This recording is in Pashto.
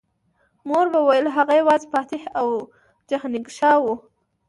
مور به ویل هغه یوازې فاتح او جهانګشا و